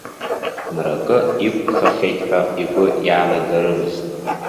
Мракы иқәԥхахьеит ҳәа игәы иаанагарымызт.